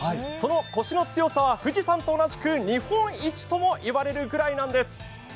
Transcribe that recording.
そのコシの強さは富士山と同じく日本一ともいわれるぐらいなんです。